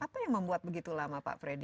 apa yang membuat begitu lama pak freddy